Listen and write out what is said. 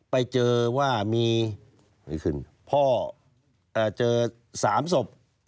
ไปเจอว่ามีพ่อเจอสามศพ